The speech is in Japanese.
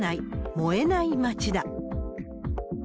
燃えない街だ。